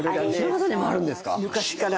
昔から。